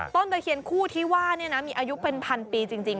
ต้นตะเคียนคู่ที่ว่าเนี่ยนะมีอายุเป็นพันปีจริง